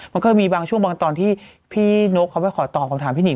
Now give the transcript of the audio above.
มันก็มีบางช่วงบางตอนที่พี่นกเขาไปขอตอบคำถามพี่หิ